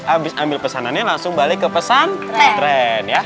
abis ambil pesanannya langsung balik ke pesan tren